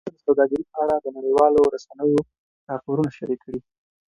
ازادي راډیو د سوداګري په اړه د نړیوالو رسنیو راپورونه شریک کړي.